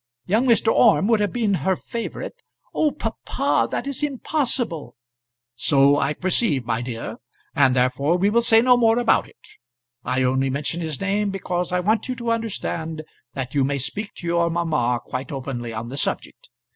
Young Mr. Orme would have been her favourite " "Oh, papa, that is impossible." "So I perceive, my dear, and therefore we will say no more about it. I only mention his name because I want you to understand that you may speak to your mamma quite openly on the subject.